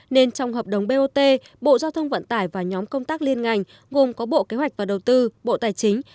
nên trong hợp đồng bot bộ giao thông vận tải và nhóm công tác liên ngành gồm có bộ kế hoạch và đầu tư bộ tài chính